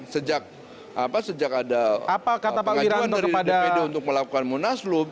sejak ada pengajuan dari dpd untuk melakukan munaslup